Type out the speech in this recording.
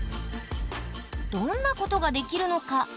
どんなことができるのか？